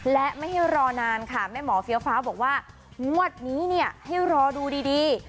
และไม่ให้รอนานค่ะแม่หมอเฟี้ยวฟ้าบอกว่างวดนี้เนี่ยให้รอดูดี